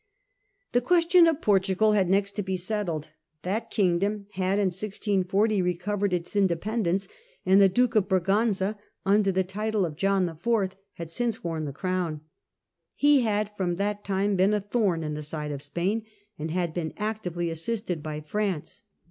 The question of Portugal had next to be settled. That kingdom had in 1640 recovered its independence, and the Duke of Braganza, under the title of John IV., had since worn the crown. He had from that time been a thorn in the side of Spain, and had been actively assisted by France.